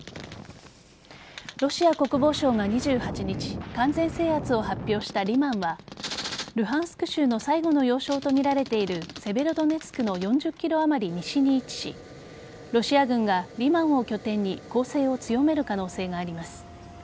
ロシア国防省が２８日完全制圧を発表したリマンはルハンスク州の最後の要衝とみられているセベロドネツクの４０ｋｍあまり西に位置しロシア軍が、リマンを拠点に攻勢を強める可能性があります。